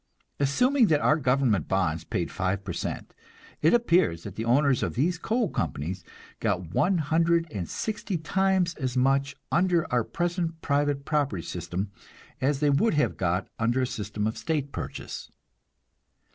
Assuming that our government bonds paid five per cent, it appears that the owners of these coal companies got one hundred and sixty times as much under our present private property system as they would have got under a system of state purchase.